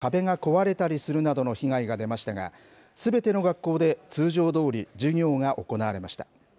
また、市内にある学校でも、ガラスが割れたり、壁が壊れたりするなどの被害が出ましたが、すべての学校で通常どおり、授業が行われました。